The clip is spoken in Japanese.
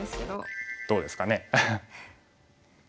どうですかね。